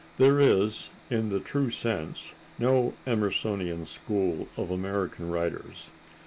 There is, in the true sense, no Emersonian school of American writers.